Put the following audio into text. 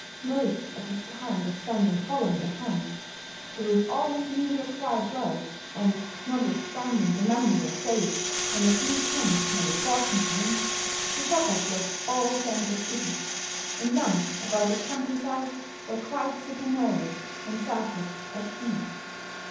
Most of his time was spent in following the hounds; but with all his newly acquired wealth, and notwithstanding the memory of days when a few pence meant a fortune to him, the shepherd lost all sense of pity, and none about the country side were quite so penurious and selfish as he.